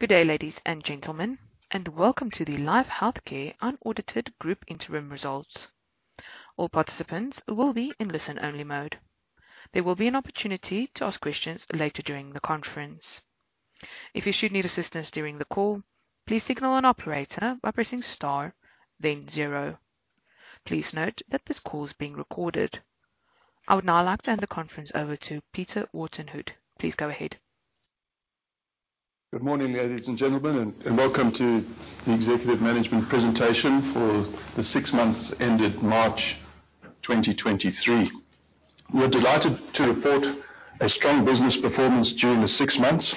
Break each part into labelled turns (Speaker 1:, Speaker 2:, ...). Speaker 1: Good day, ladies and gentlemen, and welcome to the Life Healthcare Unaudited Group Interim Results. All participants will be in listen-only mode. There will be an opportunity to ask questions later during the conference. If you should need assistance during the call, please signal an operator by pressing star then 0. Please note that this call is being recorded. I would now like to hand the conference over to Peter Wharton-Hood. Please go ahead.
Speaker 2: Good morning, ladies and gentlemen, and welcome to the Executive Management Presentation for the six months ended March 2023. We are delighted to report a strong business performance during the six months,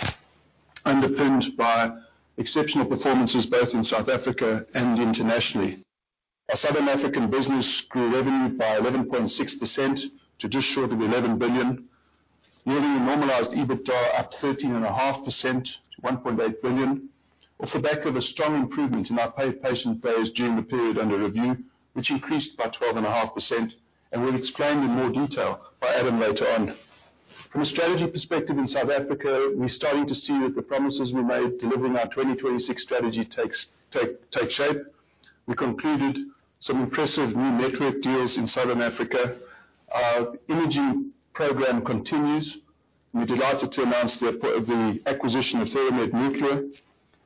Speaker 2: underpinned by exceptional performances, both in South Africa and internationally. Our Southern African business grew revenue by 11.6% to just short of 11 billion, nearly normalized EBITDA up 13.5% to 1.8 billion. Off the back of a strong improvement in our paid patient days during the period under review, which increased by 12.5%, we'll explain in more detail by Adam later on. From a strategy perspective in South Africa, we're starting to see that the promises we made delivering our 2026 strategy take shape. We concluded some impressive new network deals in Southern Africa. Our energy program continues. We're delighted to announce the acquisition of TheraMed Nuclear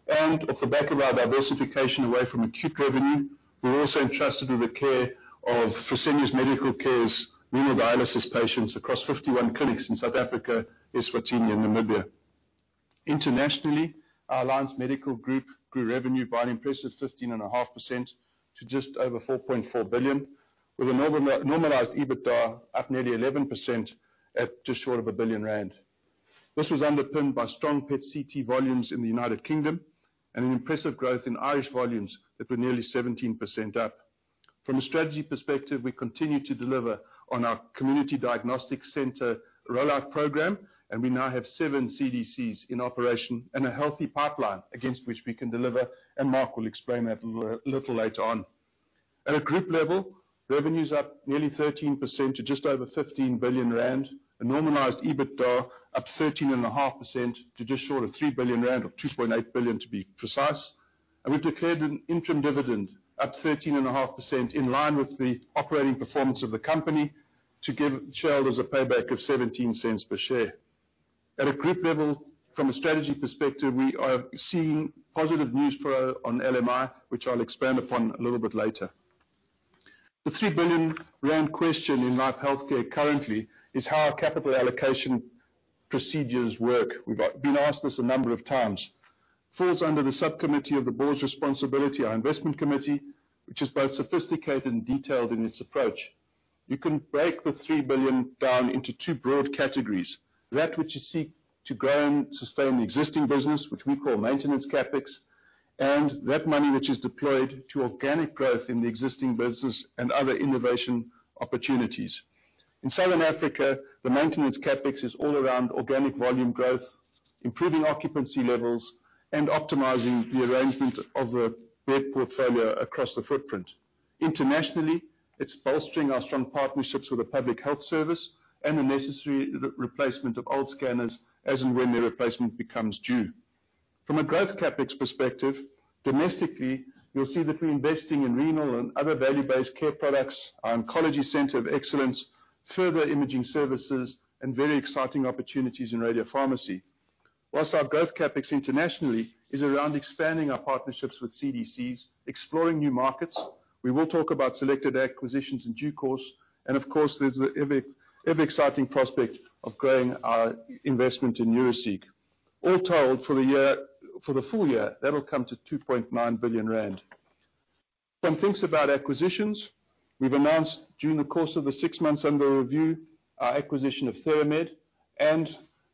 Speaker 2: and off the back of our diversification away from acute revenue, we're also entrusted with the care of Fresenius Medical Care's renal dialysis patients across 51 clinics in South Africa, Eswatini and Namibia. Internationally, our Alliance Medical Group grew revenue by an impressive 15.5% to just over 4.4 billion, with a normalized EBITDA up nearly 11% at just short of 1 billion rand. This was underpinned by strong PET/CT volumes in the United Kingdom and an impressive growth in Irish volumes that were nearly 17% up. From a strategy perspective, we continue to deliver on our Community Diagnostic Centre rollout program, and we now have 7 CDCs in operation and a healthy pipeline against which we can deliver, and Mark will explain that a little later on. At a group level, revenue is up nearly 13% to just over 15 billion rand. A normalized EBITDA up 13.5% to just short of 3 billion rand or 2.8 billion to be precise. We've declared an interim dividend up 13.5%, in line with the operating performance of the company to give shareholders a payback of 0.17 per share. At a group level, from a strategy perspective, we are seeing positive news flow on LMI, which I'll expand upon a little bit later. The 3 billion rand question in Life Healthcare currently is how our capital allocation procedures work. We've been asked this a number of times. Falls under the subcommittee of the board's responsibility, our investment committee, which is both sophisticated and detailed in its approach. You can break the 3 billion down into two broad categories, that which you seek to grow and sustain the existing business, which we call maintenance CapEx, and that money which is deployed to organic growth in the existing business and other innovation opportunities. In Southern Africa, the maintenance CapEx is all around organic volume growth, improving occupancy levels, and optimizing the arrangement of the bed portfolio across the footprint. Internationally, it's bolstering our strong partnerships with the National Health Service and the necessary re-replacement of old scanners as and when the replacement becomes due. From a growth CapEx perspective, domestically, you'll see that we're investing in renal and other value-based care products, our Oncology Center of Excellence, further imaging services, and very exciting opportunities in radiopharmacy. Whilst our growth CapEx internationally is around expanding our partnerships with CDCs, exploring new markets, we will talk about selected acquisitions in due course, and of course, there's the exciting prospect of growing our investment in Neuraceq. All told for the full year, that will come to 2.9 billion rand. Some things about acquisitions. We've announced during the course of the six months under review, our acquisition of TheraMed and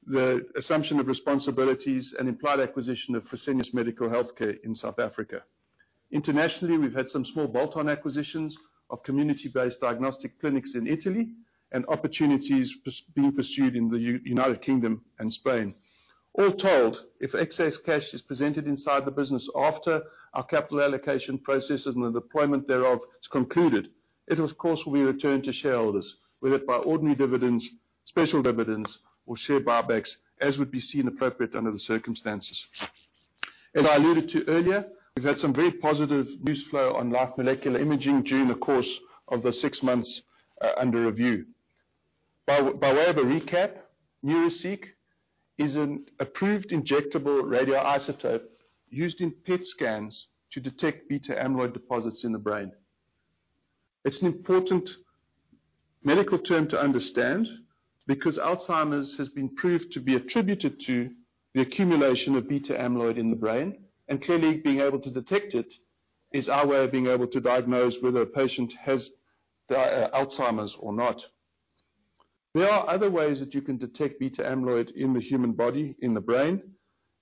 Speaker 2: the assumption of responsibilities and implied acquisition of Fresenius Medical Care in South Africa. Internationally, we've had some small bolt-on acquisitions of community-based diagnostic clinics in Italy and opportunities being pursued in the United Kingdom and Spain. All told, if excess cash is presented inside the business after our capital allocation processes and the deployment thereof is concluded, it of course, will be returned to shareholders, whether by ordinary dividends, special dividends, or share buybacks, as would be seen appropriate under the circumstances. As I alluded to earlier, we've had some very positive news flow on Life Molecular Imaging during the course of the six months under review. By way of a recap, Neuraceq is an approved injectable radioisotope used in PET scans to detect beta-amyloid deposits in the brain. It's an important medical term to understand because Alzheimer's has been proved to be attributed to the accumulation of beta-amyloid in the brain, and clearly, being able to detect it is our way of being able to diagnose whether a patient has Alzheimer's or not. There are other ways that you can detect beta-amyloid in the human body, in the brain.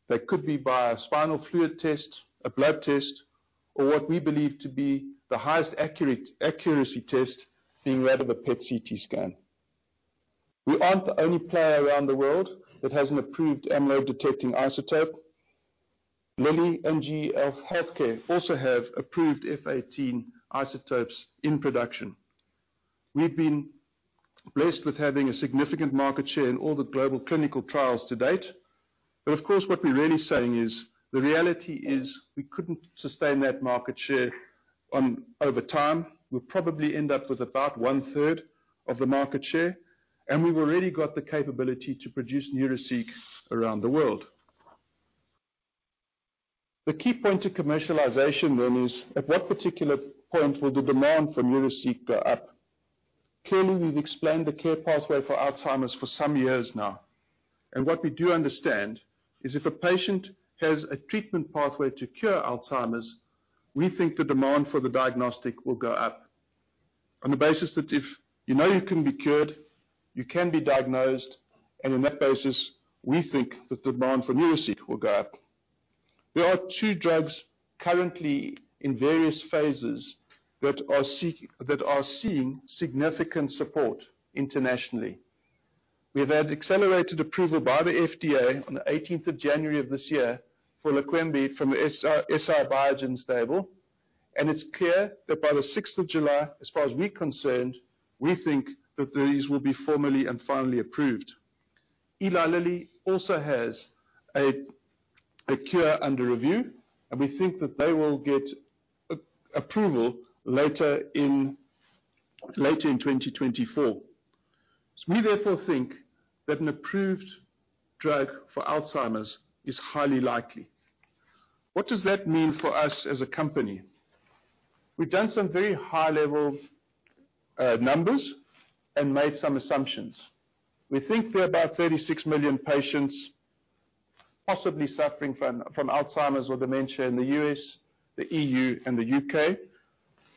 Speaker 2: That could be via a spinal fluid test, a blood test, or what we believe to be the highest accuracy test, being rather a PET/CT scan. We aren't the only player around the world that has an approved amyloid-detecting isotope. Lilly and GE HealthCare also have approved F-18 isotopes in production. We've been blessed with having a significant market share in all the global clinical trials to date. Of course, what we're really saying is, the reality is, we couldn't sustain that market share over time. We'll probably end up with about 1/3 of the market share, and we've already got the capability to produce Neuraceq around the world. The key point to commercialization is, at what particular point will the demand for Neuraceq go up? Clearly, we've explained the care pathway for Alzheimer's for some years now. What we do understand is if a patient has a treatment pathway to cure Alzheimer's, we think the demand for the diagnostic will go up. On the basis that if you know you can be cured, you can be diagnosed, on that basis, we think that the demand for Neuraceq will go up. There are two drugs currently in various phases that are seeing significant support internationally. We've had accelerated approval by the FDA on the 18th of January of this year for Leqembi from the Eisai and Biogen's table. It's clear that by the 6th of July, as far as we're concerned, we think that these will be formally and finally approved. Eli Lilly also has a cure under review, we think that they will get approval later in 2024. We therefore think that an approved drug for Alzheimer's is highly likely. What does that mean for us as a company? We've done some very high-level numbers and made some assumptions. We think there are about 36 million patients possibly suffering from Alzheimer's or dementia in the U.S., the E.U., and the U.K.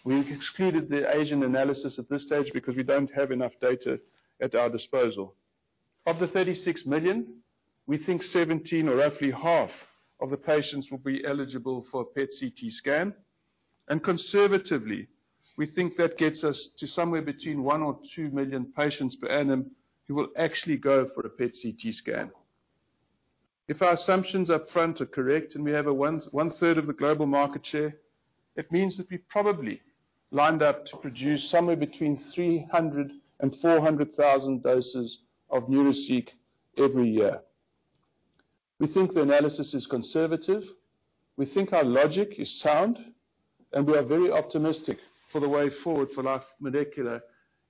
Speaker 2: We've excluded the Asian analysis at this stage because we don't have enough data at our disposal. Of the 36 million, we think 17, or roughly half of the patients, will be eligible for a PET/CT scan. Conservatively, we think that gets us to somewhere between one or two million patients per annum who will actually go for a PET/CT scan. If our assumptions up front are correct and we have a 1/3 of the global market share, it means that we're probably lined up to produce somewhere between 300,000-400,000 doses of Neuraceq every year. We think the analysis is conservative, we think our logic is sound, we are very optimistic for the way forward for Life Molecular,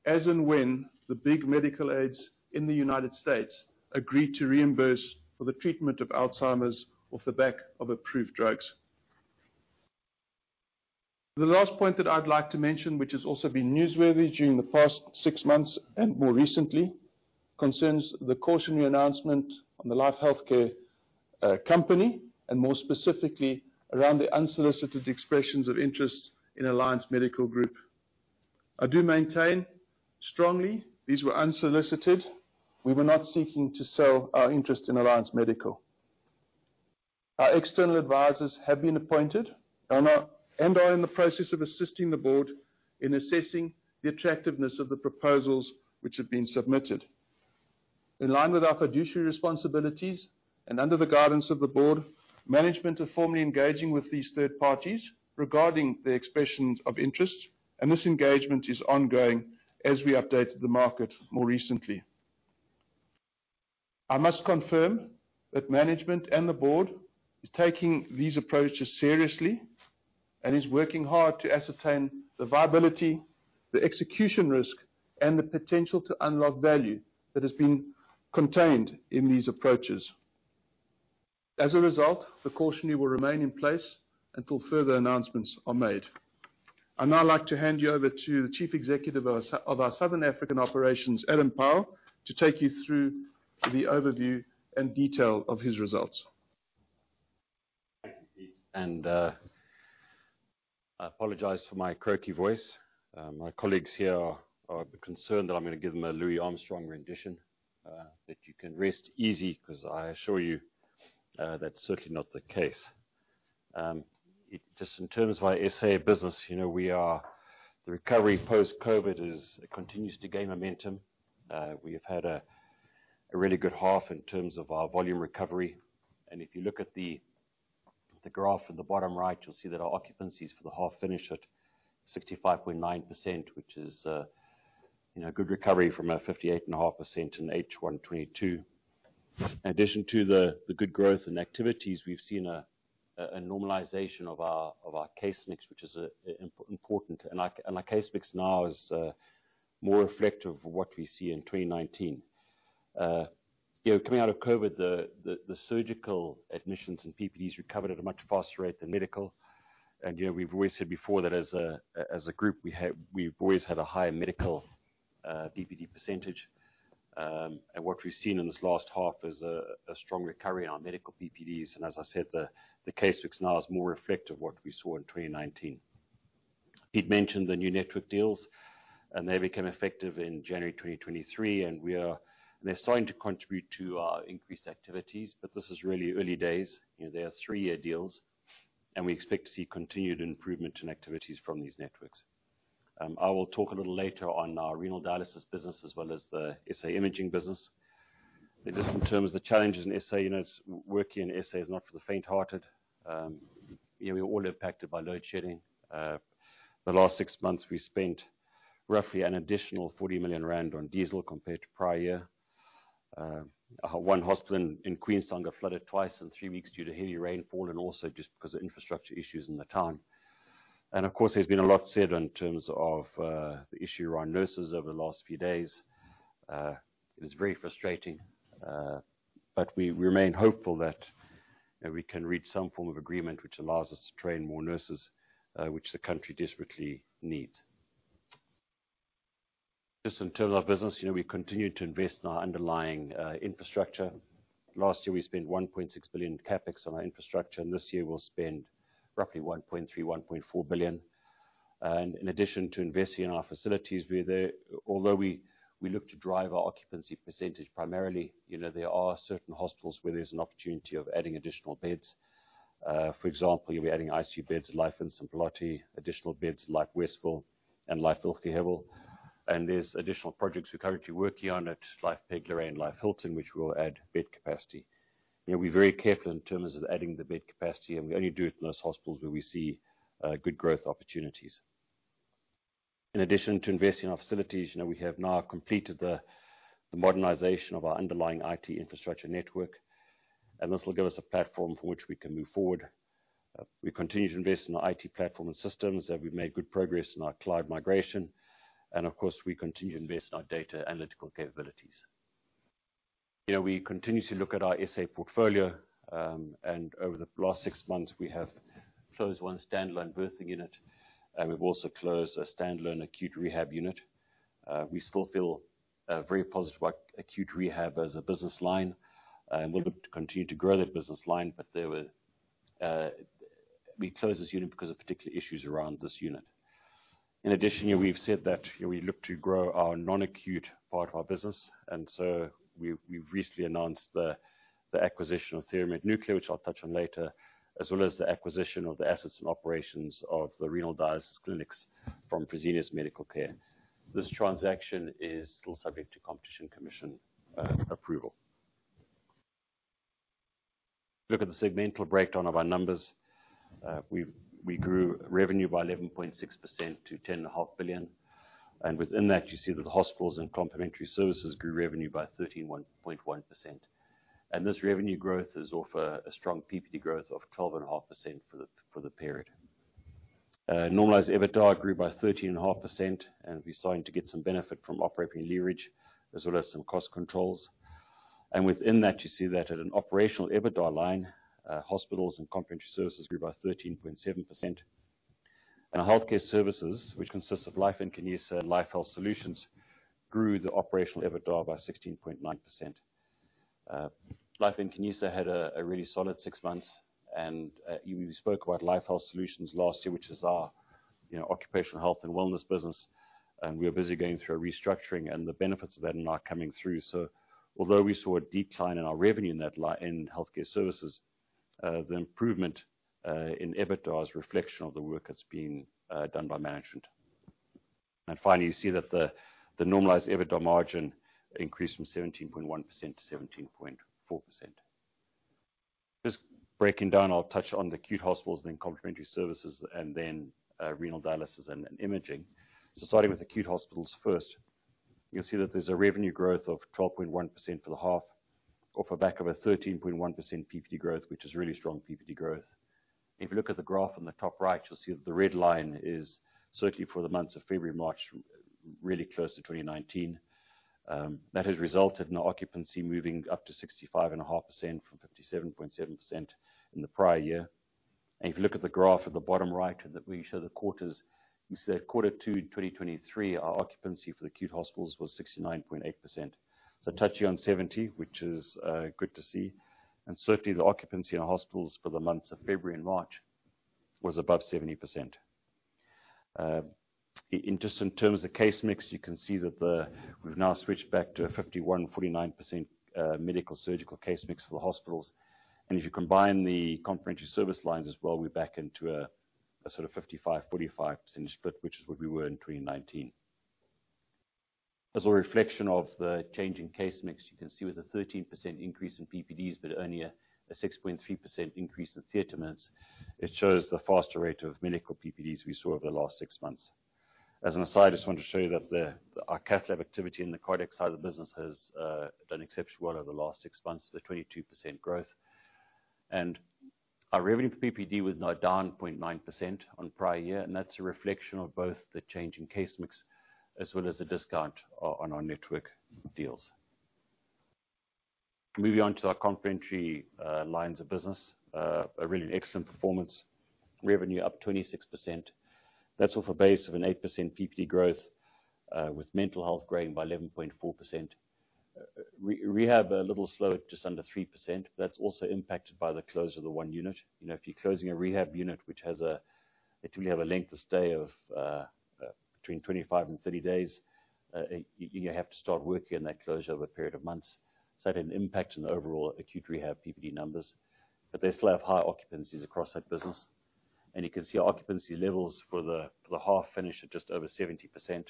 Speaker 2: as and when the big medical aids in the United States agree to reimburse for the treatment of Alzheimer's off the back of approved drugs. The last point that I'd like to mention, which has also been newsworthy during the past six months, and more recently, concerns the cautionary announcement on the Life Healthcare company, and more specifically around the unsolicited expressions of interest in Alliance Medical Group. I do maintain strongly these were unsolicited. We were not seeking to sell our interest in Alliance Medical. Our external advisors have been appointed and are in the process of assisting the board in assessing the attractiveness of the proposals which have been submitted. In line with our fiduciary responsibilities and under the guidance of the board, management are formally engaging with these third parties regarding the expressions of interest, and this engagement is ongoing as we updated the market more recently. I must confirm that management and the board is taking these approaches seriously, and is working hard to ascertain the viability, the execution risk, and the potential to unlock value that has been contained in these approaches. As a result, the cautionary will remain in place until further announcements are made. I'd now like to hand you over to the Chief Executive of our Southern African operations, Adam Pyle, to take you through the overview and detail of his results.
Speaker 3: Thank you, Pete. I apologize for my croaky voice. My colleagues here are concerned that I'm gonna give them a Louis Armstrong rendition, but you can rest easy, 'cause I assure you that's certainly not the case. Just in terms of our S.A. business, you know, the recovery post-COVID, it continues to gain momentum. We have had a really good half in terms of our volume recovery. If you look at the graph in the bottom right, you'll see that our occupancies for the half finish at 65.9%, which is a, you know, good recovery from 58.5% in H1 2022. In addition to the good growth and activities, we've seen a normalization of our case mix, which is important. Our case mix now is more reflective of what we see in 2019. You know, coming out of COVID, the surgical admissions and PPDs recovered at a much faster rate than medical. You know, we've always said before that as a group, we've always had a high medical PPD percentage. What we've seen in this last half is a strong recovery in our medical PPDs. As I said, the case mix now is more reflective of what we saw in 2019. Pete mentioned the new network deals. They became effective in January 2023. They're starting to contribute to our increased activities, but this is really early days. You know, they are three-year deals. We expect to see continued improvement in activities from these networks. I will talk a little later on our renal dialysis business as well as the S.A. imaging business. Just in terms of the challenges in S.A. units, working in S.A. is not for the faint-hearted. Yeah, we all impacted by load shedding. The last six months, we spent roughly an additional 40 million rand on diesel compared to prior year. 1 hospital in Queenstown got flooded twice in 3 weeks due to heavy rainfall, also just because of infrastructure issues in the town. Of course, there's been a lot said in terms of the issue around nurses over the last few days. It is very frustrating, we remain hopeful that we can reach some form of agreement which allows us to train more nurses, which the country desperately needs. Just in terms of our business, you know, we continue to invest in our underlying infrastructure. Last year, we spent 1.6 billion CapEx on our infrastructure. This year we'll spend roughly 1.3 billion-1.4 billion. In addition to investing in our facilities, although we look to drive our occupancy percentage, primarily, you know, there are certain hospitals where there's an opportunity of adding additional beds. For example, you'll be adding ICU beds, Life Empangeni, additional beds, Life Westville and Life Healthcare Hillbrow. There's additional projects we're currently working on at Life Pinetown and Life Hilton, which will add bed capacity. You know, we're very careful in terms of adding the bed capacity, and we only do it in those hospitals where we see good growth opportunities. In addition to investing in our facilities, you know, we have now completed the modernization of our underlying IT infrastructure network. This will give us a platform for which we can move forward. We continue to invest in our IT platform and systems. We've made good progress in our cloud migration. Of course, we continue to invest in our data analytical capabilities. You know, we continue to look at our S.A. portfolio. Over the last six months, we have closed one standalone birthing unit. We've also closed a standalone acute rehab unit. We still feel very positive about acute rehab as a business line. We'll look to continue to grow that business line, but there were particular issues around this unit. In addition, we've said that we look to grow our non-acute part of our business. We've recently announced the acquisition of TheraMed Nuclear, which I'll touch on later, as well as the acquisition of the assets and operations of the renal dialysis clinics from Fresenius Medical Care. This transaction is still subject to Competition Commission approval. Look at the segmental breakdown of our numbers. We grew revenue by 11.6% to 10.5 billion, and within that, you see that the hospitals and complementary services grew revenue by 13.1%. This revenue growth is off a strong PPD growth of 12.5% for the period. Normalized EBITDA grew by 13.5%, we're starting to get some benefit from operating leverage, as well as some cost controls. Within that, you see that at an operational EBITDA line, hospitals and complementary services grew by 13.7%. Our healthcare services, which consists of Life Nkanyisa and Life Health Solutions, grew the operational EBITDA by 16.9%. Life Nkanyisa had a really solid six months, and we spoke about Life Health Solutions last year, which is our, you know, occupational health and wellness business, and we are busy going through a restructuring and the benefits of that are now coming through. Although we saw a decline in our revenue in healthcare services, the improvement in EBITDA is a reflection of the work that's been done by management. Finally, you see that the normalized EBITDA margin increased from 17.1% to 17.4%. Just breaking down, I'll touch on the acute hospitals, then complementary services, and then renal dialysis and imaging. Starting with acute hospitals first, you'll see that there's a revenue growth of 12.1% for the half, off a back of a 13.1% PPD growth, which is really strong PPD growth. If you look at the graph on the top right, you'll see that the red line is certainly for the months of February, March, really close to 2019. That has resulted in our occupancy moving up to 65.5% from 57.7% in the prior year. If you look at the graph at the bottom right, that we show the quarters, you see that quarter 2, 2023, our occupancy for acute hospitals was 69.8%. Touching on 70, which is good to see, and certainly the occupancy in our hospitals for the months of February and March was above 70%. Just in terms of case mix, you can see that we've now switched back to a 51%, 49% medical surgical case mix for the hospitals. If you combine the comprehensive service lines as well, we're back into a sort of 55%, 45% split, which is what we were in 2019. As a reflection of the change in case mix, you can see with a 13% increase in PPDs, but only a 6.3% increase in theater minutes, it shows the faster rate of medical PPDs we saw over the last six months. As an aside, I just wanted to show you that our cath lab activity in the cardiac side of the business has done exceptionally well over the last six months, with a 22% growth. Our revenue PPD was now down 0.9% on prior year, and that's a reflection of both the change in case mix, as well as the discount on our network deals. Moving on to our complementary lines of business, a really excellent performance. Revenue up 26%. That's off a base of an 8% PPD growth, with mental health growing by 11.4%. rehab, a little slower, just under 3%, but that's also impacted by the close of the one unit. You know, if you're closing a rehab unit, which has they typically have a length of stay of between 25 and 30 days, you have to start working on that closure over a period of months. That had an impact on the overall acute rehab PPD numbers, but they still have high occupancies across that business. You can see our occupancy levels for the, for the half finish are just over 70%.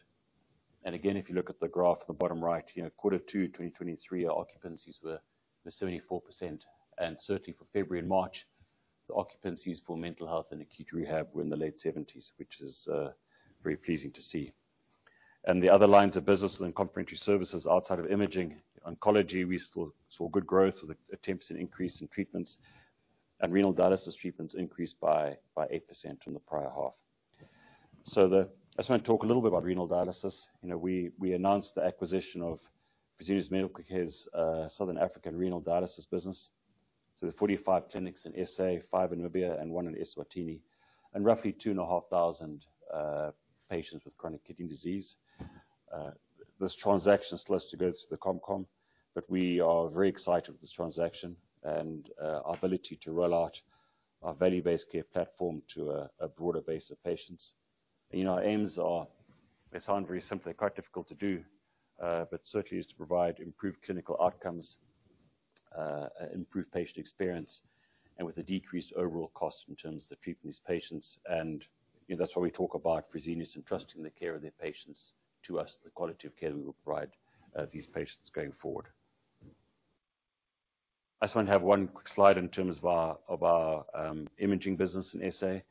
Speaker 3: Again, if you look at the graph on the bottom right, you know, quarter two, 2023, our occupancies were 74%. Certainly for February and March, the occupancies for mental health and acute rehab were in the late 70s, which is very pleasing to see. The other lines of business and complementary services outside of imaging, oncology, we still saw good growth with a 10% increase in treatments, and renal dialysis treatments increased by 8% from the prior half. I just want to talk a little bit about renal dialysis. You know, we announced the acquisition of Fresenius Medical Care's Southern African renal dialysis business. There's 45 clinics in S.A., 5 in Namibia, and 1 in Eswatini, and roughly 2,500 patients with chronic kidney disease. This transaction still has to go through the Comcom. We are very excited with this transaction and our ability to roll out our value-based care platform to a broader base of patients. You know, our aims are, they sound very simple and quite difficult to do, but certainly is to provide improved clinical outcomes, improved patient experience, and with a decreased overall cost in terms of treating these patients. You know, that's why we talk about Fresenius trusting the care of their patients to us, the quality of care we will provide these patients going forward. I just want to have one quick slide in terms of our imaging business in S.A.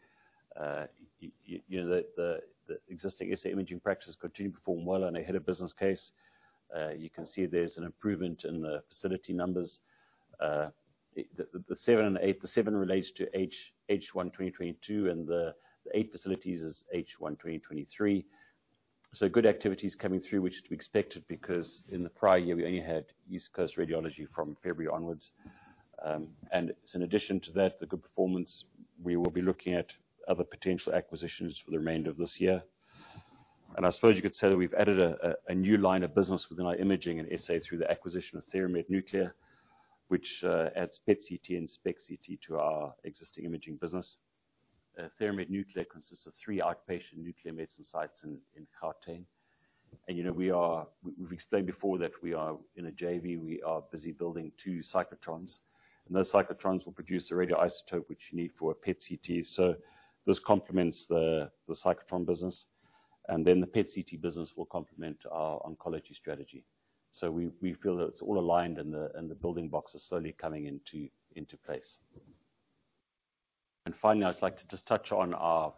Speaker 3: You know, the existing S.A. imaging practices continue to perform well. They had a business case. You can see there's an improvement in the facility numbers. The 7 and 8, the 7 relates to H1 2022, and the 8 facilities is H1 2023. Good activities coming through, which is to be expected, because in the prior year, we only had East Coast Radiology from February onwards. In addition to that, the good performance, we will be looking at other potential acquisitions for the remainder of this year. I suppose you could say that we've added a new line of business within our imaging in S.A. through the acquisition of TheraMed Nuclear, which adds PET/CT and SPECT/CT to our existing imaging business. TheraMed Nuclear consists of 3 outpatient nuclear medicine sites in Gauteng. You know, we've explained before that we are in a JV. We are busy building two cyclotrons, and those cyclotrons will produce a radioisotope, which you need for a PET/CT. This complements the cyclotron business, and then the PET/CT business will complement our oncology strategy. We feel that it's all aligned and the building blocks are slowly coming into place. Finally, I'd just like to just touch on our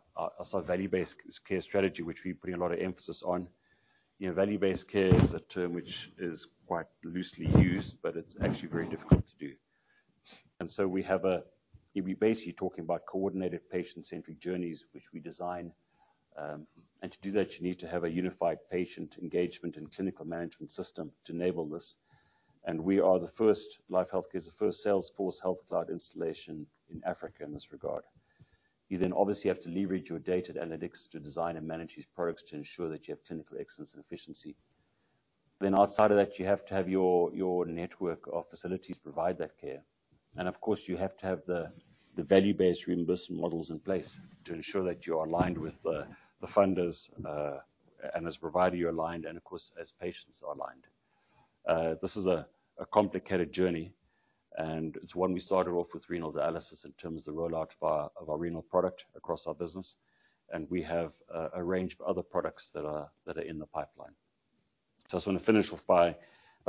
Speaker 3: value-based care strategy, which we're putting a lot of emphasis on. You know, value-based care is a term which is quite loosely used, but it's actually very difficult to do. We're basically talking about coordinated, patient-centric journeys, which we design. To do that, you need to have a unified patient engagement and clinical management system to enable this. Life Healthcare is the first Salesforce Health Cloud installation in Africa in this regard. You obviously have to leverage your data and analytics to design and manage these products to ensure that you have clinical excellence and efficiency. Outside of that, you have to have your network of facilities provide that care. Of course, you have to have the value-based reimbursement models in place to ensure that you are aligned with the funders, and as a provider, you're aligned, and of course, as patients are aligned. This is a complicated journey, and it's one we started off with renal dialysis in terms of the rollout of our renal product across our business, and we have a range of other products that are in the pipeline. I just want to finish off by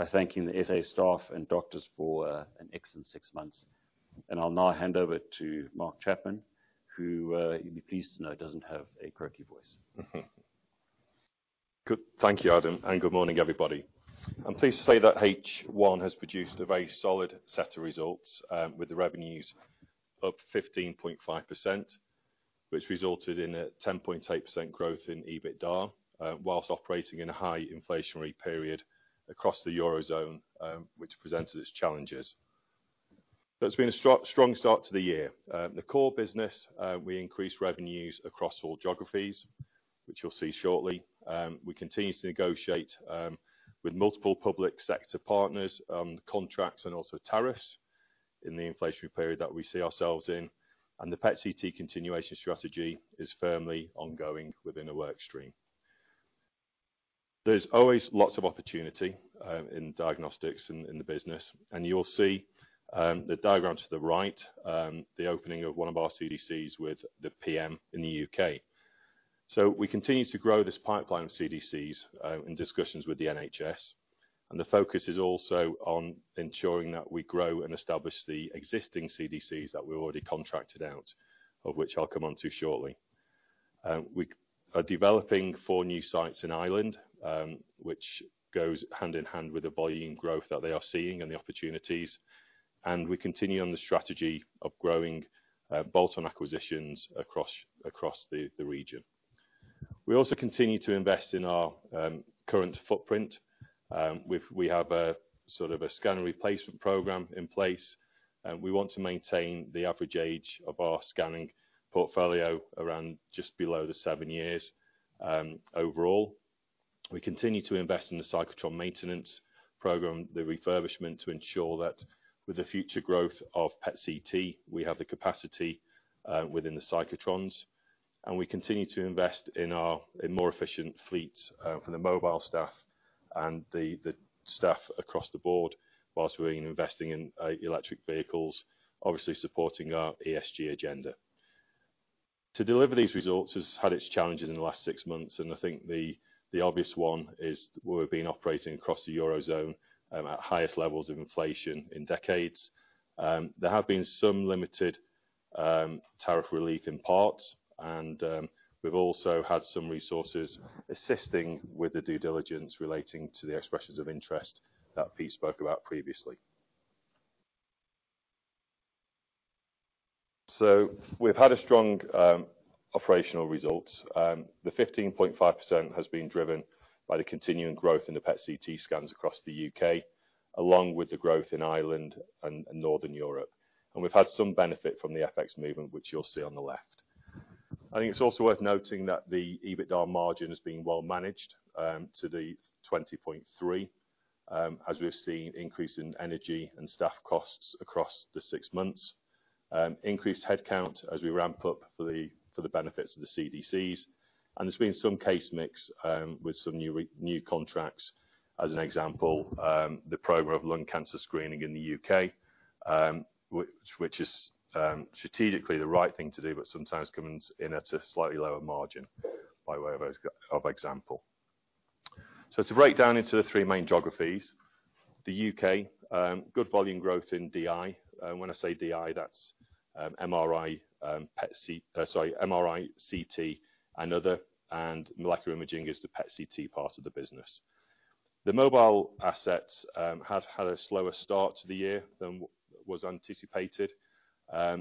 Speaker 3: thanking the S.A. staff and doctors for an excellent six months. I'll now hand over to Mark Chapman, who, you'll be pleased to know, doesn't have a croaky voice.
Speaker 4: Good. Thank you, Adam, good morning, everybody. I'm pleased to say that H1 has produced a very solid set of results, with the revenues up 15.5%, which resulted in a 10.8% growth in EBITDA, whilst operating in a high inflationary period across the Eurozone, which presented its challenges. It's been a strong start to the year. The core business, we increased revenues across all geographies, which you'll see shortly. We continue to negotiate with multiple public sector partners on contracts and also tariffs in the inflationary period that we see ourselves in, the PET/CT continuation strategy is firmly ongoing within a work stream. There's always lots of opportunity in diagnostics in the business, you'll see the diagram to the right, the opening of one of our CDCs with the PM in the UK. We continue to grow this pipeline of CDCs in discussions with the NHS, the focus is also on ensuring that we grow and establish the existing CDCs that we already contracted out, of which I'll come onto shortly. We are developing four new sites in Ireland, which goes hand in hand with the volume growth that they are seeing and the opportunities, we continue on the strategy of growing bolt-on acquisitions across the region. We also continue to invest in our current footprint. We have a, sort of a scan replacement program in place, and we want to maintain the average age of our scanning portfolio around just below the seven years overall. We continue to invest in the cyclotron maintenance program, the refurbishment, to ensure that with the future growth of PET/CT, we have the capacity within the cyclotrons. We continue to invest in our, in more efficient fleets for the mobile staff and the staff across the board, whilst we're investing in electric vehicles, obviously supporting our ESG agenda. To deliver these results has had its challenges in the last six months. I think the obvious one is we've been operating across the Eurozone at highest levels of inflation in decades. There have been some limited tariff relief in parts, we've also had some resources assisting with the due diligence relating to the expressions of interest that Pete spoke about previously. We've had a strong operational results. The 15.5% has been driven by the continuing growth in the PET/CT scans across the U.K., along with the growth in Ireland and Northern Europe. We've had some benefit from the FX movement, which you'll see on the left. I think it's also worth noting that the EBITDA margin has been well managed to the 20.3%, as we've seen increase in energy and staff costs across the six months. Increased headcount as we ramp up for the benefits of the CDCs. There's been some case mix with some new contracts, as an example, the program of lung cancer screening in the U.K., which is strategically the right thing to do, but sometimes comes in at a slightly lower margin, by way of example. To break down into the three main geographies, the U.K., good volume growth in DI. When I say DI, that's MRI, CT, and other, and molecular imaging is the PET/CT part of the business. The mobile assets have had a slower start to the year than was anticipated.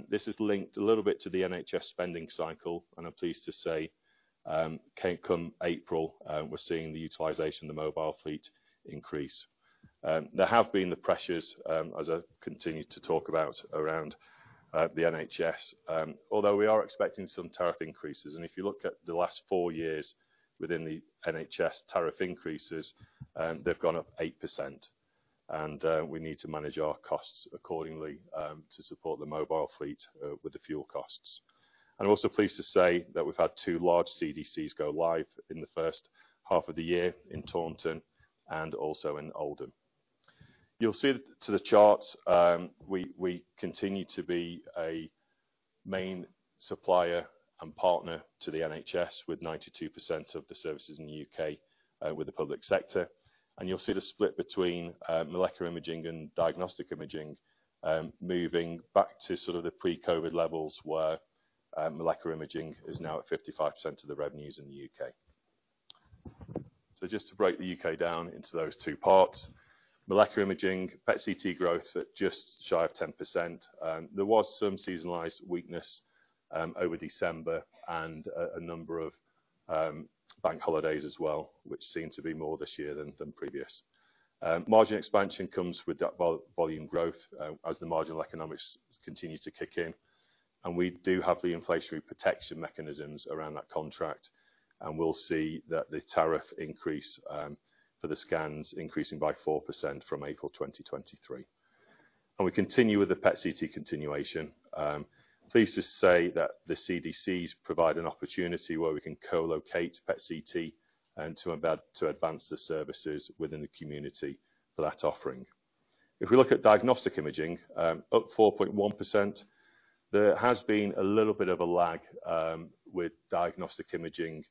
Speaker 4: This is linked a little bit to the NHS spending cycle, and I'm pleased to say, come April, we're seeing the utilization of the mobile fleet increase. There have been the pressures, as I've continued to talk about around the NHS, although we are expecting some tariff increases. If you look at the last 4 years within the NHS tariff increases, they've gone up 8%, and we need to manage our costs accordingly to support the mobile fleet with the fuel costs. I'm also pleased to say that we've had two large CDCs go live in the first half of the year in Taunton and also in Oldham. You'll see to the charts, we continue to be a main supplier and partner to the NHS, with 92% of the services in the UK with the public sector. You'll see the split between molecular imaging and diagnostic imaging, moving back to sort of the pre-COVID levels, where molecular imaging is now at 55% of the revenues in the U.K. Just to break the U.K. down into those two parts, molecular imaging, PET/CT growth at just shy of 10%. There was some seasonalized weakness over December and a number of bank holidays as well, which seem to be more this year than previous. Margin expansion comes with that volume growth as the marginal economics continues to kick in, and we do have the inflationary protection mechanisms around that contract, and we'll see that the tariff increase for the scans increasing by 4% from April 2023. We continue with the PET/CT continuation. Pleased to say that the CDCs provide an opportunity where we can co-locate PET/CT and to advance the services within the community for that offering. If we look at diagnostic imaging, up 4.1%, there has been a little bit of a lag with diagnostic imaging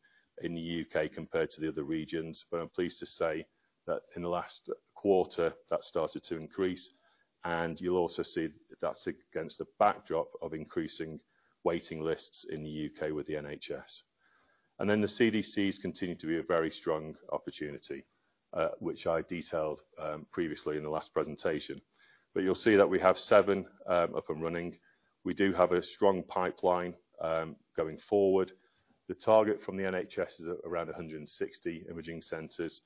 Speaker 4: in the UK compared to the other regions, but I'm pleased to say that in the last quarter, that started to increase, and you'll also see that's against the backdrop of increasing waiting lists in the UK with the NHS. The CDCs continue to be a very strong opportunity, which I detailed previously in the last presentation. You'll see that we have 7 up and running. We do have a strong pipeline going forward. The target from the NHS is at around 160 imaging centers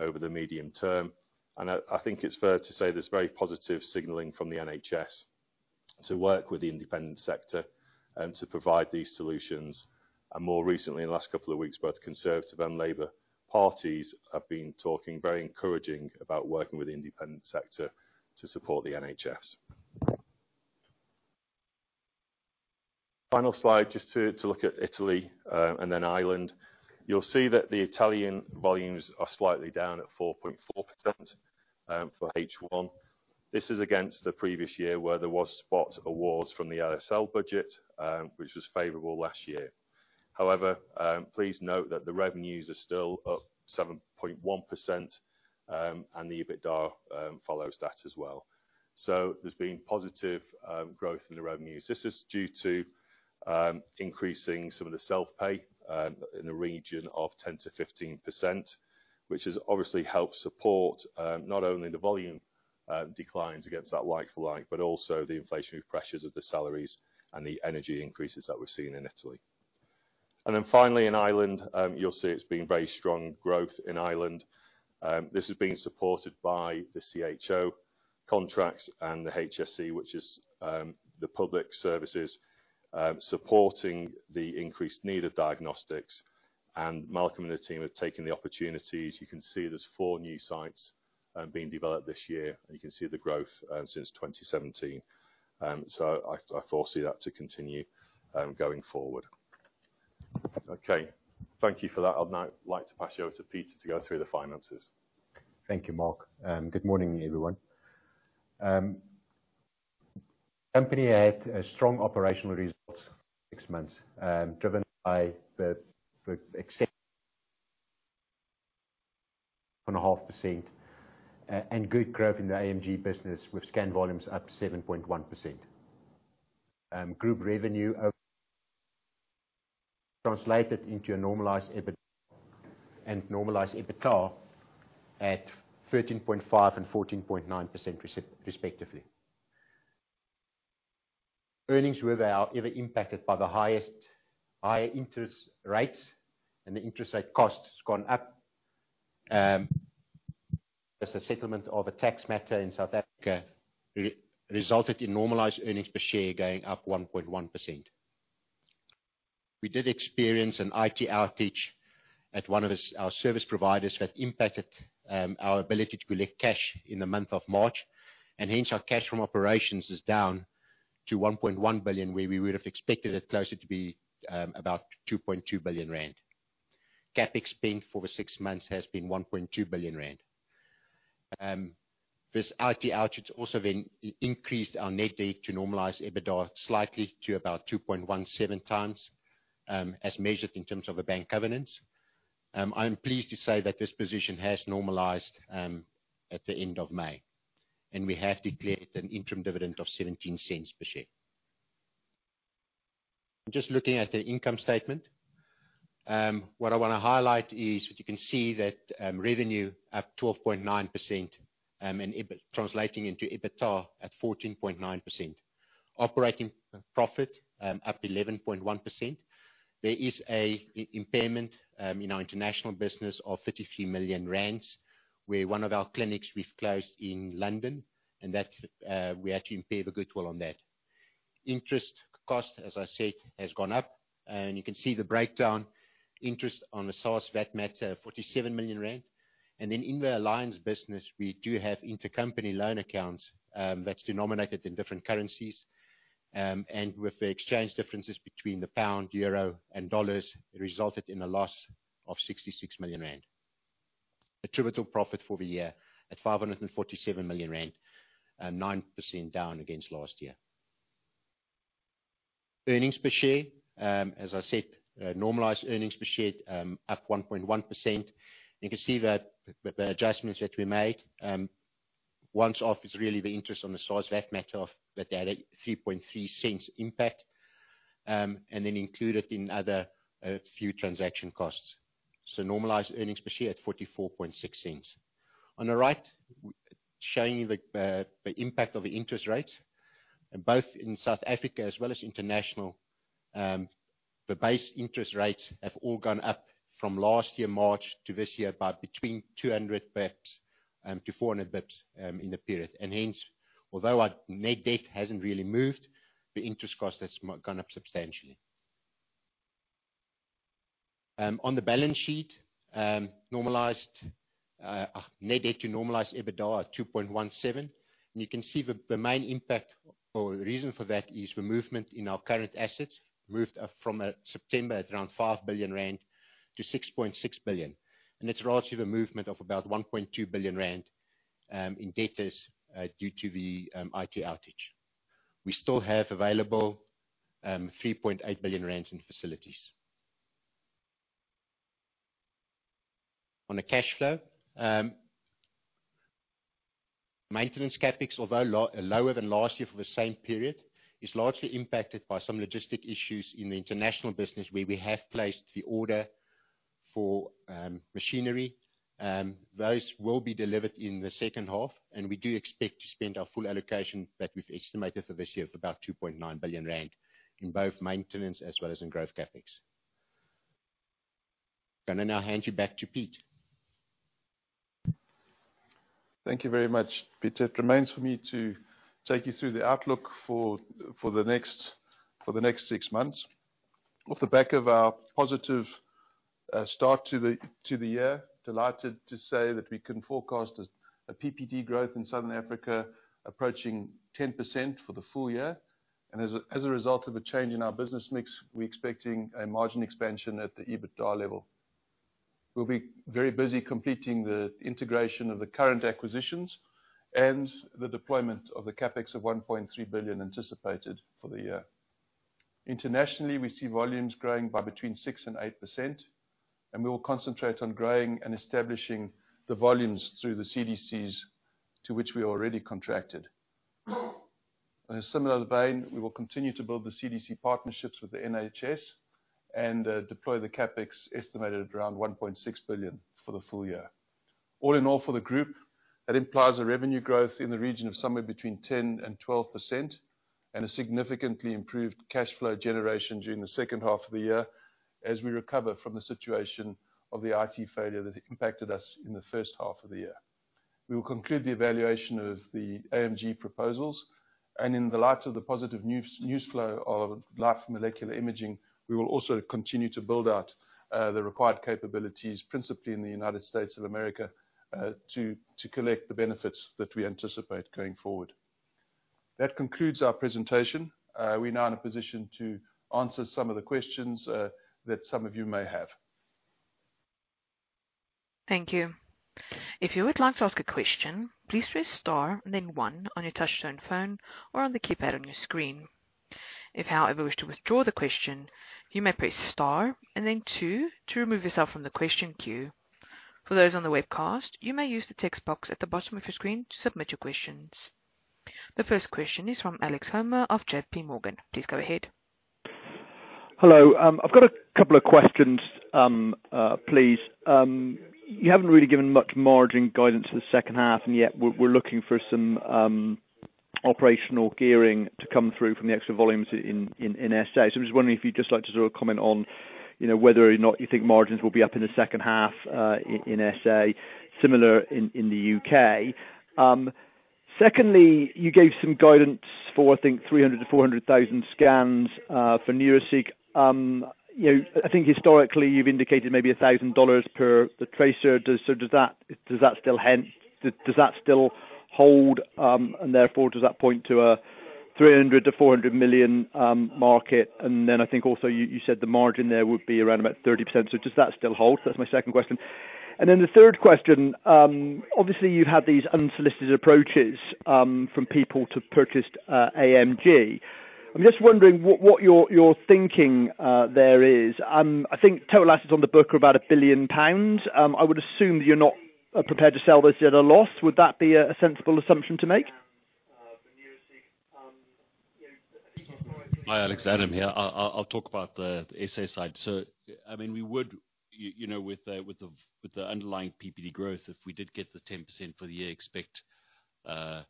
Speaker 4: over the medium term. I think it's fair to say there's very positive signaling from the NHS to work with the independent sector to provide these solutions. More recently, in the last couple of weeks, both Conservative and Labour parties have been talking, very encouraging about working with the independent sector to support the NHS. Final slide, just to look at Italy and then Ireland. You'll see that the Italian volumes are slightly down at 4.4% for H1. This is against the previous year, where there was spot awards from the LSL budget, which was favorable last year. However, please note that the revenues are still up 7.1%, and the EBITDA follows that as well. There's been positive growth in the revenues. This is due to increasing some of the self-pay in the region of 10%-15%, which has obviously helped support not only the volume declines against that like-for-like, but also the inflationary pressures of the salaries and the energy increases that we've seen in Italy. Finally, in Ireland, you'll see it's been very strong growth in Ireland. This has been supported by the CHO contracts and the HSC, which is the public services supporting the increased need of diagnostics. Malcolm and the team have taken the opportunities. You can see there's 4 new sites, being developed this year, and you can see the growth, since 2017. I foresee that to continue, going forward. Okay, thank you for that. I'd now like to pass you over to Peter to go through the finances.
Speaker 5: Thank you, Mark, and good morning, everyone. Company had a strong operational results six months, driven by the excellent and a half %, and good growth in the AMG business with scan volumes up 7.1%. Group revenue over translated into a normalized EBIT and normalized EBITDA at 13.5 and 14.9%, respectively. Earnings were, however, impacted by the highest higher interest rates, and the interest rate cost has gone up. As a settlement of a tax matter in South Africa, resulted in normalized earnings per share going up 1.1%. We did experience an IT outage at one of our service providers that impacted our ability to collect cash in the month of March. Hence our cash from operations is down to 1.1 billion, where we would have expected it closer to be about 2.2 billion rand. CapEx spend for the six months has been 1.2 billion rand. This IT outage also then increased our net debt to normalized EBITDA slightly to about 2.17 times as measured in terms of the bank covenants. I am pleased to say that this position has normalized at the end of May. We have declared an interim dividend of 0.17 per share. Just looking at the income statement, what I want to highlight is that you can see that revenue up 12.9%, translating into EBITDA at 14.9%. Operating profit up 11.1%. There is a impairment in our international business of 33 million rand, where one of our clinics we've closed in London, and that's we had to impair the goodwill on that. Interest cost, as I said, has gone up, and you can see the breakdown. Interest on the SARS VAT matter, 47 million rand. In the Alliance business, we do have intercompany loan accounts, that's denominated in different currencies. With the exchange differences between the GBP, EUR, and USD, it resulted in a loss of 66 million rand. Attributable profit for the year at 547 million rand, 9% down against last year. Earnings per share, as I said, normalized earnings per share up 1.1%. You can see that the adjustments that we made once off, is really the interest on the SARS VAT matter that had a 0.033 impact, and then included in other few transaction costs. Normalized earnings per share at 0.446. On the right, showing the impact of the interest rates, both in South Africa as well as international. The base interest rates have all gone up from last year, March, to this year, by between 200-400 bips in the period. Hence, although our net debt hasn't really moved, the interest cost has gone up substantially. On the balance sheet, normalized net debt to normalized EBITDA are 2.17. You can see the main impact, or the reason for that, is the movement in our current assets, moved from September at around 5 billion rand to 6.6 billion. It's relatively a movement of about 1.2 billion rand in debtors due to the IT outage. We still have available 3.8 billion rand in facilities. On the cash flow, maintenance CapEx, although lower than last year for the same period, is largely impacted by some logistic issues in the international business, where we have placed the order for machinery. Those will be delivered in the second half. We do expect to spend our full allocation that we've estimated for this year of about 2.9 billion rand, in both maintenance as well as in growth CapEx. Gonna now hand you back to Pete.
Speaker 2: Thank you very much, Peter. It remains for me to take you through the outlook for the next six months. Off the back of our positive start to the year, delighted to say that we can forecast a PPD growth in Southern Africa approaching 10% for the full year. As a result of a change in our business mix, we're expecting a margin expansion at the EBITDA level. We'll be very busy completing the integration of the current acquisitions and the deployment of the CapEx of 1.3 billion anticipated for the year. Internationally, we see volumes growing by between 6% and 8%, and we will concentrate on growing and establishing the volumes through the CDCs to which we are already contracted. In a similar vein, we will continue to build the CDC partnerships with the NHS and deploy the CapEx, estimated at around 1.6 billion for the full year. All in all, for the group, that implies a revenue growth in the region of somewhere between 10% and 12%, and a significantly improved cash flow generation during the second half of the year, as we recover from the situation of the IT failure that impacted us in the first half of the year.... We will conclude the evaluation of the AMG proposals, and in the light of the positive news flow of Life Molecular Imaging, we will also continue to build out the required capabilities, principally in the United States of America, to collect the benefits that we anticipate going forward. That concludes our presentation. We're now in a position to answer some of the questions that some of you may have.
Speaker 1: Thank you. If you would like to ask a question, please press star and then one on your touchtone phone or on the keypad on your screen. If, however, you wish to withdraw the question, you may press star and then two to remove yourself from the question queue. For those on the webcast, you may use the text box at the bottom of your screen to submit your questions. The first question is from Alex Comer of JPMorgan. Please go ahead.
Speaker 6: Hello. I've got a couple of questions, please. You haven't really given much margin guidance for the second half, and yet we're looking for some operational gearing to come through from the extra volumes in S.A. I'm just wondering if you'd just like to sort of comment on, you know, whether or not you think margins will be up in the second half in S.A., similar in the U.K. Secondly, you gave some guidance for, I think, 300,000-400,000 scans for Neuraceq. You know, I think historically, you've indicated maybe $1,000 per the tracer. Does that still hold? Therefore, does that point to a $300 million-$400 million market? I think also you said the margin there would be around about 30%. Does that still hold? That's my second question. The third question, obviously, you've had these unsolicited approaches from people to purchase AMG. I'm just wondering what your thinking there is. I think total assets on the book are about 1 billion pounds. I would assume you're not prepared to sell this at a loss. Would that be a sensible assumption to make?
Speaker 3: Hi, Alex. Adam here. I'll talk about the S.A. side. I mean, we would, you know, with the, with the, with the underlying PPD growth, if we did get the 10% for the year, expect a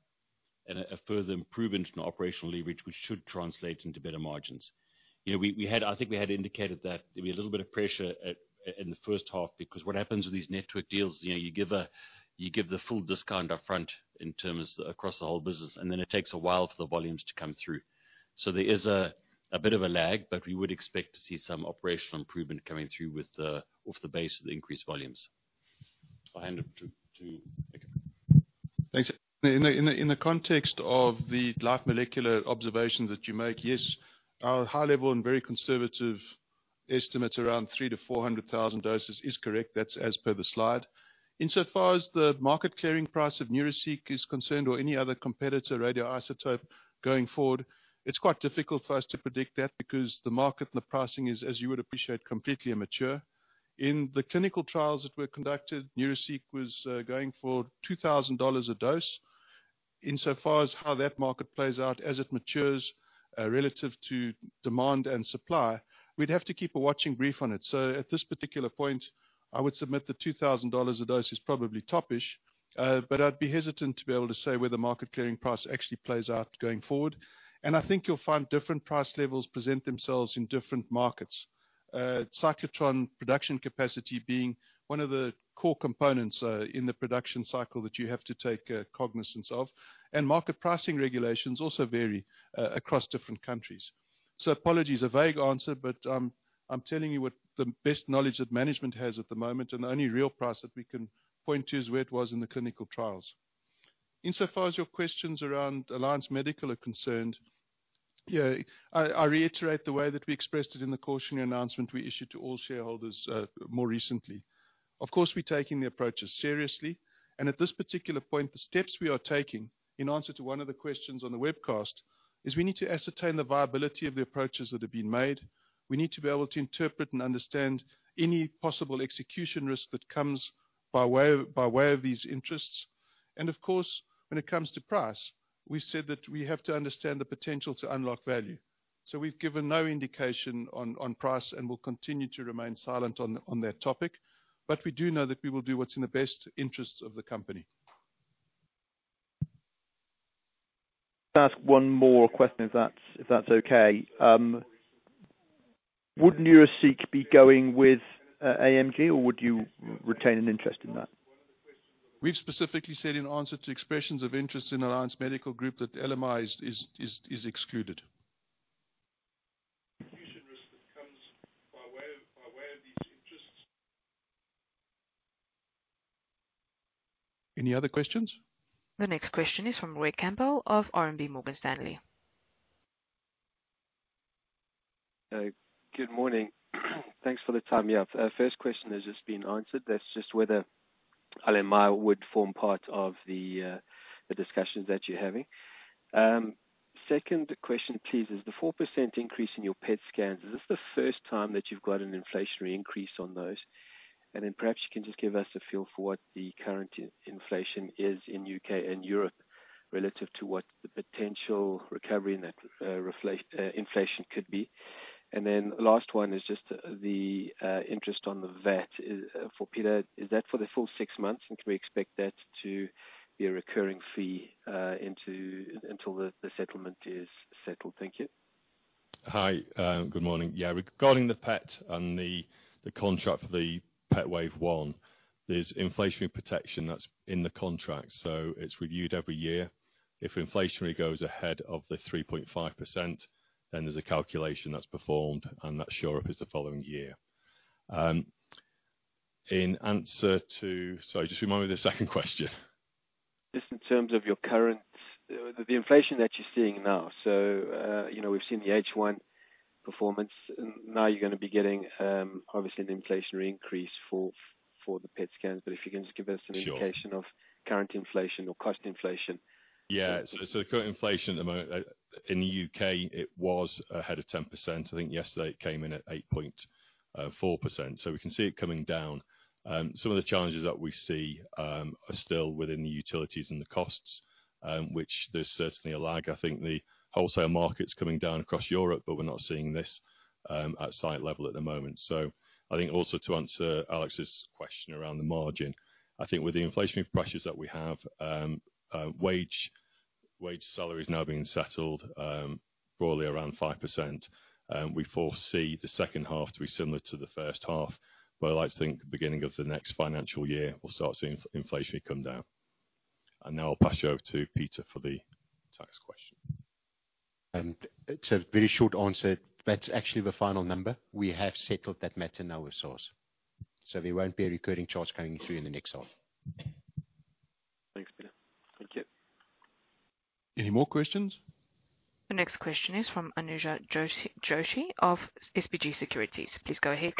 Speaker 3: further improvement in operational leverage, which should translate into better margins. You know, I think we had indicated that there'd be a little bit of pressure in the first half, because what happens with these network deals, you know, you give the full discount up front in terms across the whole business, and then it takes a while for the volumes to come through. There is a bit of a lag, but we would expect to see some operational improvement coming through off the base of the increased volumes. I'll hand over to Nick.
Speaker 2: Thanks. In the context of the Life Molecular Imaging observations that you make, yes, our high level and very conservative estimate around 300,000-400,000 doses is correct. That's as per the slide. Insofar as the market clearing price of Neuraceq is concerned, or any other competitor radioisotope going forward, it's quite difficult for us to predict that, because the market and the pricing is, as you would appreciate, completely immature. In the clinical trials that were conducted, Neuraceq was going for $2,000 a dose. Insofar as how that market plays out as it matures, relative to demand and supply, we'd have to keep a watching brief on it. At this particular point, I would submit the $2,000 a dose is probably top-ish, but I'd be hesitant to be able to say where the market clearing price actually plays out going forward. I think you'll find different price levels present themselves in different markets. cyclotron production capacity being one of the core components in the production cycle that you have to take cognizance of, and market pricing regulations also vary across different countries. Apologies, a vague answer, but I'm telling you what the best knowledge that management has at the moment, and the only real price that we can point to is where it was in the clinical trials. Insofar as your questions around Alliance Medical are concerned, I reiterate the way that we expressed it in the cautionary announcement we issued to all shareholders more recently. Of course, we're taking the approaches seriously, and at this particular point, the steps we are taking, in answer to one of the questions on the webcast, is we need to ascertain the viability of the approaches that have been made. We need to be able to interpret and understand any possible execution risk that comes by way of these interests. Of course, when it comes to price, we've said that we have to understand the potential to unlock value. We've given no indication on price and will continue to remain silent on that topic. We do know that we will do what's in the best interests of the company.
Speaker 6: Ask one more question, if that's okay. Would Neuraceq be going with AMG, or would you retain an interest in that?
Speaker 2: We've specifically said in answer to expressions of interest in Alliance Medical Group, that LMI is excluded.
Speaker 5: Fusion risk that comes by way of these interests. Any other questions?
Speaker 1: The next question is from Roy Campbell of RMB Morgan Stanley.
Speaker 7: Good morning. Thanks for the time. Yeah. First question has just been answered. That's just whether LMI would form part of the discussions that you're having. Second question, please, is the 4% increase in your PET scans, is this the first time that you've got an inflationary increase on those? Perhaps you can just give us a feel for what the current inflation is in UK and Europe, relative to what the potential recovery in that inflation could be. Last one is just the interest on the VAT. For Peter, is that for the full six months, and can we expect that to be a recurring fee until the settlement is settled? Thank you.
Speaker 4: Hi, good morning. Yeah, regarding the PET and the contract for the PET Wave 1, there's inflationary protection that's in the contract. It's reviewed every year. If inflationary goes ahead of the 3.5%, then there's a calculation that's performed, and that's sure up as the following year. In answer to, sorry, just remind me of the second question?
Speaker 7: Just in terms of your current, the inflation that you're seeing now. you know, we've seen the H1 performance, and now you're gonna be getting, obviously an inflationary increase for the PET scans. if you can just give us an indication.
Speaker 4: Sure.
Speaker 7: Of current inflation or cost inflation.
Speaker 4: The current inflation at the moment in the U.K., it was ahead of 10%. I think yesterday it came in at 8.4%, we can see it coming down. Some of the challenges that we see are still within the utilities and the costs, which there's certainly a lag. I think the wholesale market's coming down across Europe, we're not seeing this at site level at the moment. I think also to answer Alex's question around the margin, I think with the inflationary pressures that we have, wage salaries now being settled broadly around 5%, we foresee the second half to be similar to the first half. I'd like to think the beginning of the next financial year, we'll start seeing in-inflation come down. Now I'll pass you over to Peter for the tax question.
Speaker 2: It's a very short answer. That's actually the final number. We have settled that matter now with Source. There won't be a recurring charge coming through in the next half.
Speaker 7: Thanks, Peter.
Speaker 2: Thank you. Any more questions?
Speaker 1: The next question is from Anuja Joshi of SBG Securities. Please go ahead.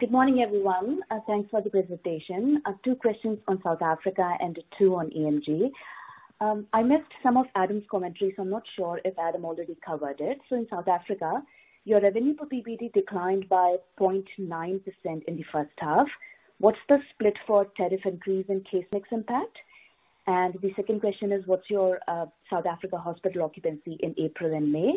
Speaker 8: Good morning, everyone. Thanks for the presentation. Two questions on South Africa and two on AMG. I missed some of Adam's commentary, so I'm not sure if Adam already covered it. In South Africa, your revenue per PBD declined by 0.9% in the 1st half. What's the split for tariff increase and case mix impact? The second question is, what's your South Africa hospital occupancy in April and May?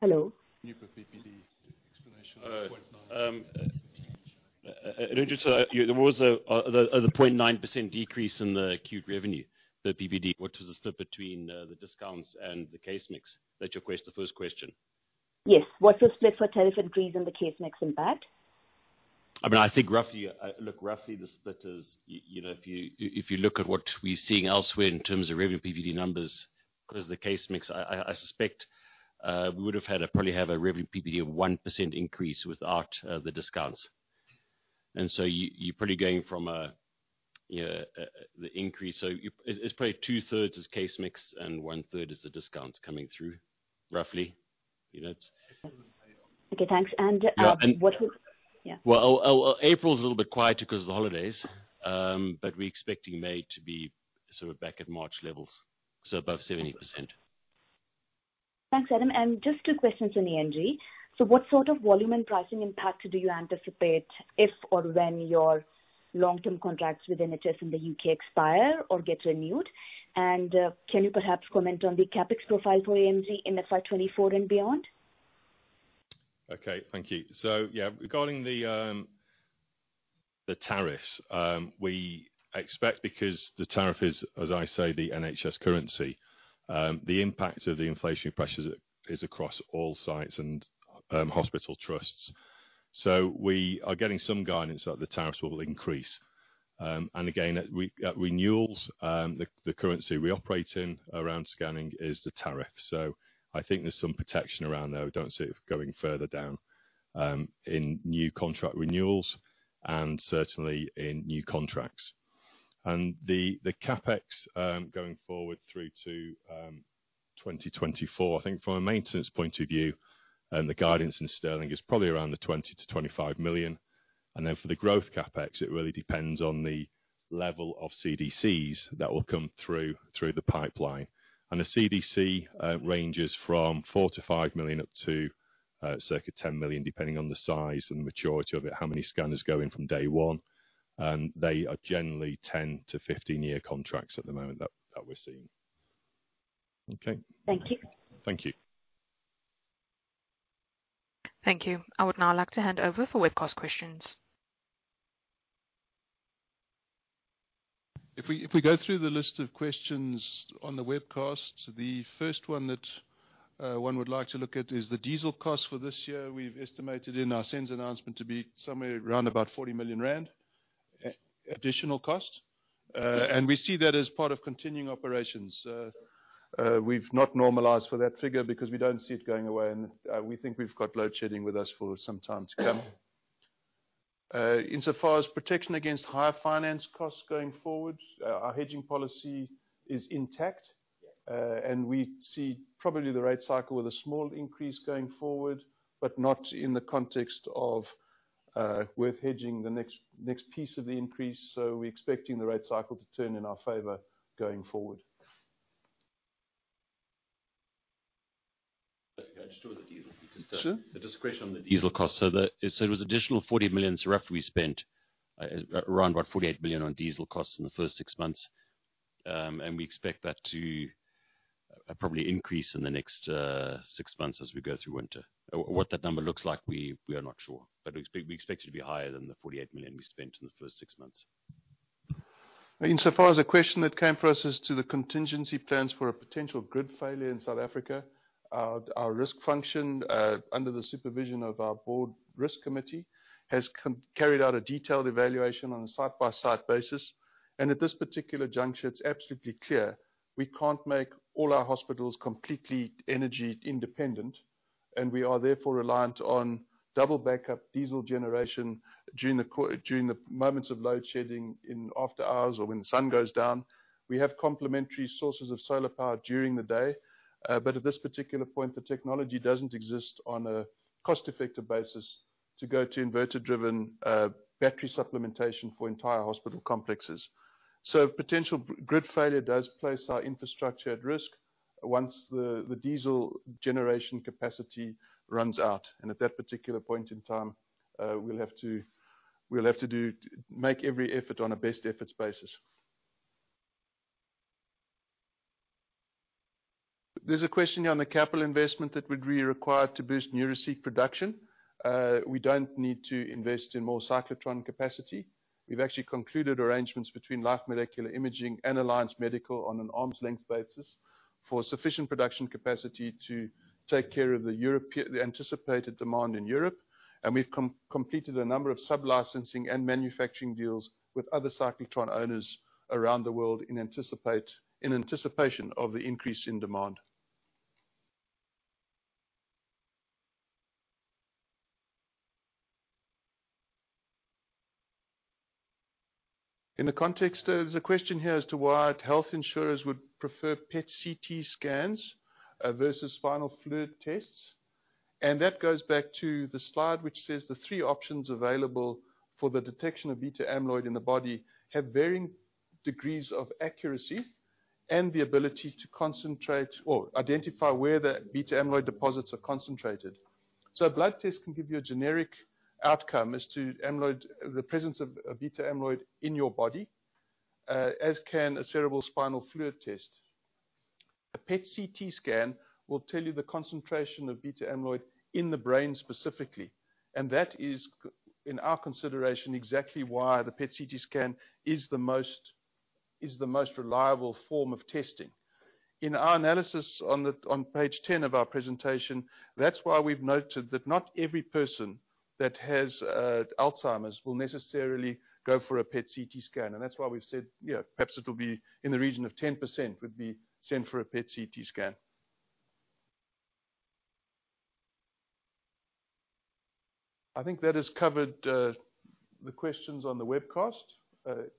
Speaker 8: Hello?
Speaker 2: New PBD explanation of 0.9.
Speaker 3: Anuja, there was a 0.9% decrease in the acute revenue, the PBD. What was the split between the discounts and the case mix? That's your first question.
Speaker 8: Yes. What's the split for tariff increase and the case mix impact?
Speaker 3: I mean, I think roughly, look, roughly the split is, you know, if you look at what we're seeing elsewhere in terms of revenue PBD numbers, because the case mix I suspect, we would probably have a revenue PBD of 1% increase without the discounts. You're probably going from a, you know, the increase. It's probably two-thirds is case mix and one-third is the discounts coming through, roughly. You know.
Speaker 8: Okay, thanks.
Speaker 3: Yeah.
Speaker 8: What will... Yeah.
Speaker 3: Well, well, well, April is a little bit quiet because of the holidays. We're expecting May to be sort of back at March levels, so above 70%.
Speaker 8: Thanks, Adam. Just two questions on AMG. What sort of volume and pricing impact do you anticipate if or when your long-term contracts with NHS in the UK expire or get renewed? Can you perhaps comment on the CapEx profile for AMG in the FY 2024 and beyond?
Speaker 3: Okay, thank you. Yeah, regarding the tariffs, we expect, because the tariff is, as I say, the NHS currency, the impact of the inflationary pressures is across all sites and hospital trusts. We are getting some guidance that the tariffs will increase. Again, at renewals, the currency we operate in around scanning is the tariff. I think there's some protection around there. We don't see it going further down in new contract renewals and certainly in new contracts. The CapEx going forward through to 2024, I think from a maintenance point of view, and the guidance in sterling is probably around the 20 million-25 million. Then for the growth CapEx, it really depends on the level of CDCs that will come through the pipeline. The CDC ranges from 4 million-5 million, up to circa 10 million, depending on the size and the maturity of it, how many scanners go in from day one. They are generally 10-15-year contracts at the moment that we're seeing. Okay?
Speaker 8: Thank you.
Speaker 3: Thank you.
Speaker 1: Thank you. I would now like to hand over for webcast questions.
Speaker 2: If we go through the list of questions on the webcast, the first one that one would like to look at is the diesel cost for this year. We've estimated in our SENS announcement to be somewhere around about 40 million rand additional cost. We see that as part of continuing operations. We've not normalized for that figure because we don't see it going away, and we think we've got load shedding with us for some time to come. Insofar as protection against higher finance costs going forward, our hedging policy is intact. We see probably the rate cycle with a small increase going forward, but not in the context of worth hedging the next piece of the increase. We're expecting the rate cycle to turn in our favor going forward.
Speaker 5: Just with the diesel-.
Speaker 2: Sure.
Speaker 5: Just a discretion on the diesel cost. It was additional 40 million, roughly we spent around about 48 million on diesel costs in the first six months. We expect that to probably increase in the next six months as we go through winter. What that number looks like, we are not sure, but we expect it to be higher than the 48 million we spent in the first six months.
Speaker 2: Insofar as the question that came for us as to the contingency plans for a potential grid failure in South Africa, our risk function, under the supervision of our board risk committee, has carried out a detailed evaluation on a site-by-site basis. At this particular juncture, it's absolutely clear we can't make all our hospitals completely energy independent, and we are therefore reliant on double backup diesel generation during the moments of load shedding in after hours or when the sun goes down. We have complementary sources of solar power during the day, but at this particular point, the technology doesn't exist on a cost-effective basis to go to inverter-driven battery supplementation for entire hospital complexes. Potential grid failure does place our infrastructure at risk once the diesel generation capacity runs out, and at that particular point in time, we'll have to do, make every effort on a best efforts basis. There's a question here on the capital investment that would be required to boost Neuraceq production. We don't need to invest in more cyclotron capacity. We've actually concluded arrangements between Life Molecular Imaging and Alliance Medical on an arm's length basis for sufficient production capacity to take care of the anticipated demand in Europe. We've completed a number of sub-licensing and manufacturing deals with other cyclotron owners around the world, in anticipation of the increase in demand. There's a question here as to why health insurers would prefer PET/CT scans versus spinal fluid tests. That goes back to the slide which says the three options available for the detection of beta-amyloid in the body have varying degrees of accuracy, and the ability to concentrate or identify where the beta-amyloid deposits are concentrated. A blood test can give you a generic outcome as to amyloid, the presence of beta-amyloid in your body, as can a cerebrospinal fluid test. A PET/CT scan will tell you the concentration of beta-amyloid in the brain specifically, and that is in our consideration, exactly why the PET/CT scan is the most reliable form of testing. In our analysis on page 10 of our presentation, that's why we've noted that not every person that has Alzheimer's will necessarily go for a PET/CT scan. That's why we've said, you know, perhaps it'll be in the region of 10% would be sent for a PET/CT scan. I think that has covered the questions on the webcast.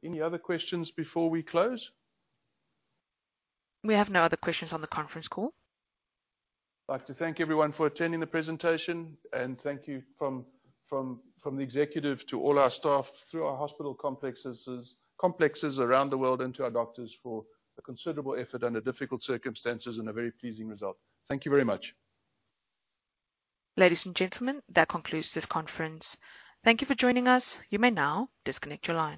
Speaker 2: Any other questions before we close?
Speaker 1: We have no other questions on the conference call.
Speaker 2: I'd like to thank everyone for attending the presentation, and thank you from the executive to all our staff through our hospital complexes around the world, and to our doctors for a considerable effort under difficult circumstances and a very pleasing result. Thank you very much.
Speaker 1: Ladies and gentlemen, that concludes this conference. Thank you for joining us. You may now disconnect your line.